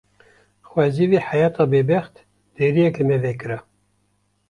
Xwezî vê heyata bêbext deriyek li me vekira.